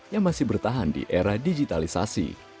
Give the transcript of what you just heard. yang masih bertahan di era digitalisasi